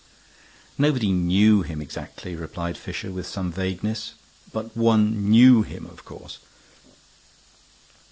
"Nobody knew him exactly," replied Fisher, with some vagueness. "But one knew him, of course.